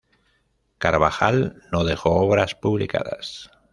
Carvajal no dejó obras publicadas.